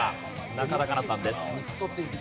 中田花奈さんです。